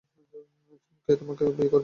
কে তোমাকে বিয়ে করবে?